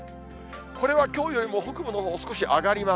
これはきょうよりも北部のほう、少し上がります。